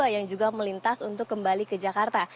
yang juga melintas untuk kembali ke jakarta